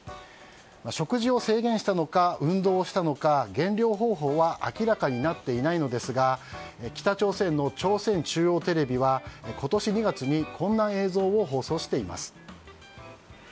食事を制限したのか運動をしたのか減量方法は明らかになっていないのですが北朝鮮の朝鮮中央テレビは今年２月にこんな映像を放送しています。